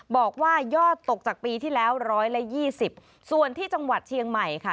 บอกว่ายอดตกจากปีที่แล้ว๑๒๐ส่วนที่จังหวัดเชียงใหม่ค่ะ